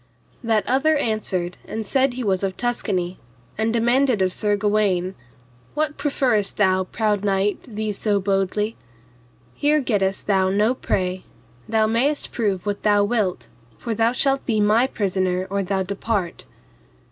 That other answered and said he was of Tuscany, and demanded of Sir Gawaine, What, profferest thou, proud knight, thee so boldly? here gettest thou no prey, thou mayest prove what thou wilt, for thou shalt be my prisoner or thou depart.